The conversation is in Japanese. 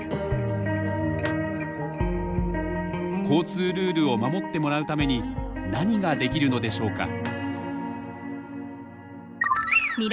交通ルールを守ってもらうために何ができるのでしょうか？